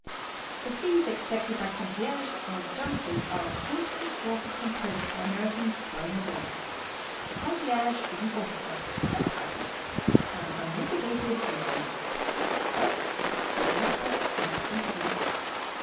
The fees expected by concierges or janitors are a con HOW TO STAY. 175 stant source of complaint by Americans dwelling abroad. The concierge is an autocrat, a tyrant, an unmitigated irri tant. But the despot must be feed.